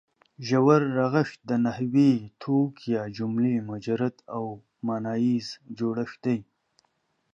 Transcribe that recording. ژور رغښت د نحوي توک یا جملې مجرد او ماناییز جوړښت دی.